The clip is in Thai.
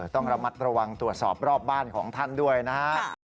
ต้องระมัดระวังตรวจสอบรอบบ้านของท่านด้วยนะฮะ